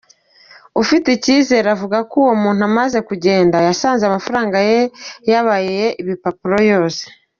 Ufitikirezi avuga ko uwo muntu amaze kugenda, yasanze amafaranga ye yabaye ibipapuro yose.